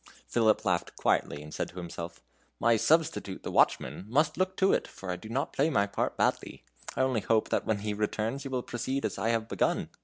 Philip laughed quietly, and said to himself: "My substitute, the watchman, must look to it, for I do not play my part badly; I only hope when he returns he will proceed as I have begun."